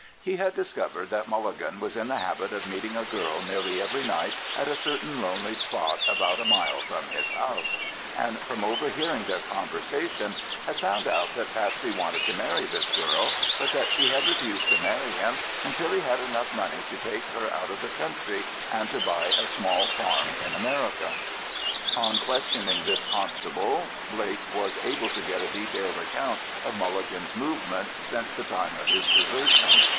He had discovered that Mulligan was in the habit of meeting a girl nearly every night at a certain lonely spot about a mile from his house; and from overhearing their conversation, had found out that Patsey wanted to marry this girl, but that she had refused to marry him until he had enough money to take her out of the country and to buy a small farm in America. On questioning this constable, Blake was able to get a detailed account of Mulligan's movements since the time of his desertion.